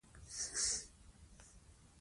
ایوب خان به خېمې درولې وې.